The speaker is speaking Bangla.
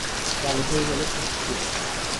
চালু হয়ে গেল ষষ্ঠীপুজা।